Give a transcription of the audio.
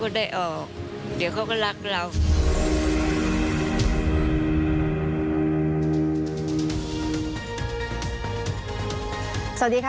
อันดับ๖๓๕จัดใช้วิจิตร